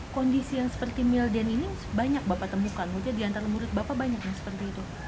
kondisi seperti milden ini banyak bapak temukan atau diantara murid bapak banyak seperti itu